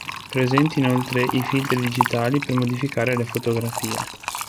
Presenti inoltre i filtri digitali per modificare le fotografie.